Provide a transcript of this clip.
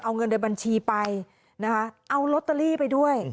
เอาเงินในบัญชีไปนะคะเอาลอตเตอรี่ไปด้วย